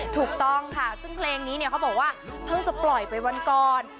ถูกต้องค่ะซึ่งเพลงนี้เนี่ยเขาบอกว่าเพิ่งจะปล่อยไปวันก่อน